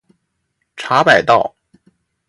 茶百道